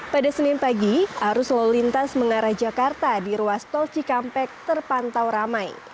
pada senin pagi arus lalu lintas mengarah jakarta di ruas tol cikampek terpantau ramai